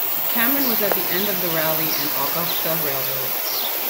Cameron was at the end of the Raleigh and Augusta Railroad.